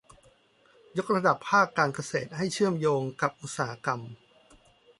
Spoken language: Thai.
ยกระดับภาคการเกษตรให้เชื่อมโยงกับอุตสาหกรรม